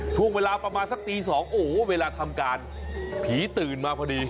ช่วงเวลาประมาณสักตี๒โอ้โหเวลาทำการผีตื่นมาพอดี